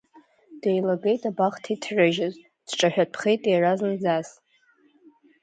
Деилагеит абахҭа иҭрыжьыз, дҿаҳәатәхеит иара зынӡас.